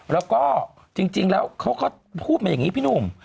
แล้วก็จริงแล้วเขาก็พูดมาอย่างนี้พี่หนุ่ม